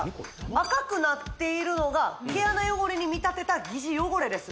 赤くなっているのが毛穴汚れに見立てた疑似汚れです